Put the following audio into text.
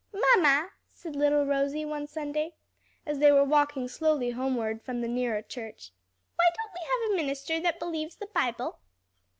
"Mamma," said little Rosie, one Sunday as they were walking slowly homeward from the nearer church, "why don't we have a minister that believes the Bible?"